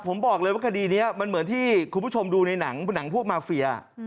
ผมบอกเลยว่าคดีนี้มันเหมือนที่คุณผู้ชมดูในหนังพวกมาเฟีย